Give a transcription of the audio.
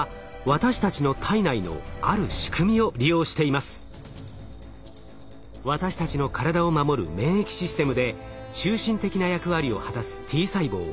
私たちの体を守る免疫システムで中心的な役割を果たすＴ細胞。